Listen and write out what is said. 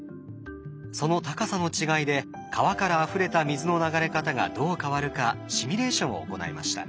その高さの違いで川からあふれた水の流れ方がどう変わるかシミュレーションを行いました。